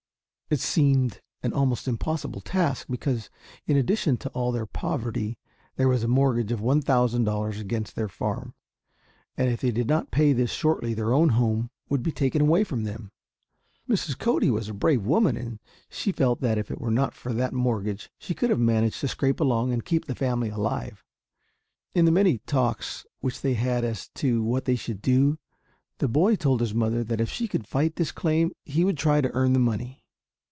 It seemed an almost impossible task, because in addition to all their poverty there was a mortgage of one thousand dollars against their farm, and if they did not pay this shortly their own home would be taken away from them. Mrs. Cody was a brave woman, and she felt that if it were not for that mortgage she could have managed to scrape along and keep the family alive. In the many talks which they had as to what they should do, the boy told his mother that if she could fight this claim he would try to earn the money.